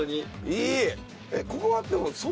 いい！